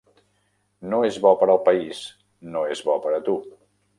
No és bo per al país, no és bo per a tu.